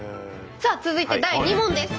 さあ続いて第２問です。